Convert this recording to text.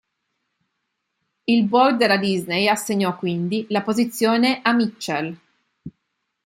Il board della Disney assegnò, quindi, la posizione a Mitchell.